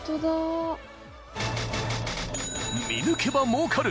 ［「見抜けば儲かる！」